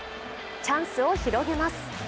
チャンスを広げます。